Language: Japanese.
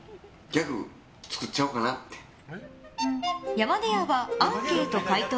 山出谷はアンケート回答